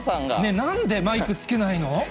なんでマイクつけないの？